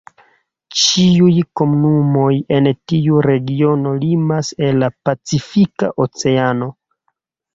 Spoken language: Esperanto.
Ĉiuj komunumoj en tiu regiono limas al la pacifika oceano.